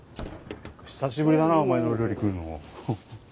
久しぶりだなお前の料理食うのも。